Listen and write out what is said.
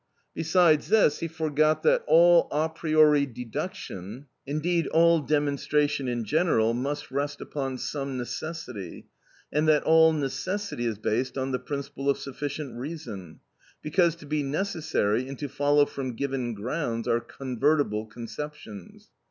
Besides this he forgot that all a priori deduction, indeed all demonstration in general, must rest upon some necessity, and that all necessity is based on the principle of sufficient reason, because to be necessary, and to follow from given grounds are convertible conceptions.